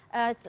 lekas lagi ya